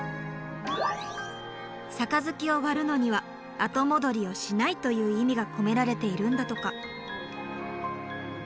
杯を割るのには「後戻りをしない」という意味が込められているんだとか。